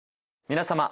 皆様。